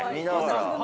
皆さん。